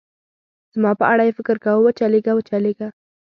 زما په اړه یې فکر کاوه، و چلېږه، و چلېږه.